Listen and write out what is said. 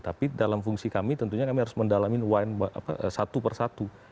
tapi dalam fungsi kami tentunya kami harus mendalami wine satu persatu